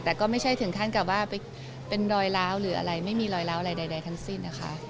แต่ก็ไม่ใช่ถึงขั้นกับว่าเป็นรอยล้าวหรืออะไรไม่มีรอยล้าวอะไรใดทั้งสิ้นนะคะ